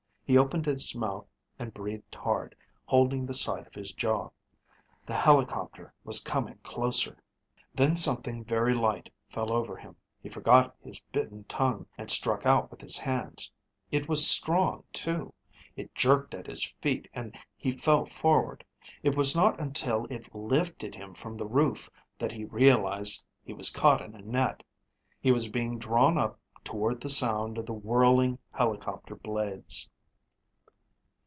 He opened his mouth and breathed hard, holding the side of his jaw. The helicopter was coming closer. Then something very light fell over him. He forgot his bitten tongue and struck out with his hands. It was strong, too. It jerked at his feet and he fell forward. It was not until it lifted him from the roof that he realized he was caught in a net. He was being drawn up toward the sound of the whirling helicopter blades.